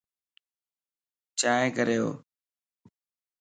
چائين ڪريو